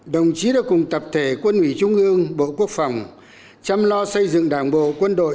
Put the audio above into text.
đồng chí đã cùng tập thể quân ủy trung ương bộ quốc phòng chăm lo xây dựng đảng bộ quân đội